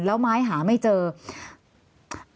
แล้วไม่เจอไม้หา